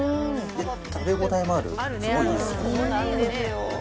食べ応えもある、すごいいいですね。